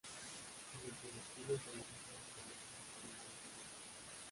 Y lo que descubre son los síntomas demasiado familiares de un amor.